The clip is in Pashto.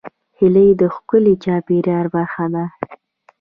هیلۍ د ښکلي چاپېریال برخه ده